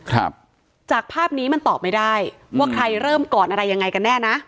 ครับจากภาพนี้มันตอบไม่ได้ว่าใครเริ่มก่อนอะไรยังไงกันแน่นะ